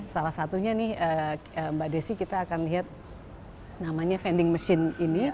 salah satunya nih mbak desi kita akan lihat namanya vending machine ini